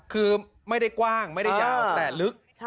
คือไม่ได้กว้างไม่ได้ยาวแต่ลึก